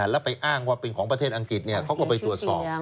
แล้วไปอ้างว่าเป็นของประเทศอังกฤษเขาก็ไปตรวจสอบ